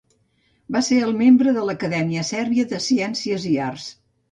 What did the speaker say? Va ser el membre de l'Acadèmia Sèrbia de Ciències i Arts.